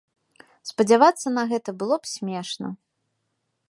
Спадзявацца на гэта было б смешна.